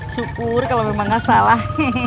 syukur kalau memang gak salah